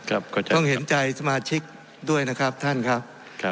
ต้องเห็นใจสมาชิกด้วยนะครับท่านครับ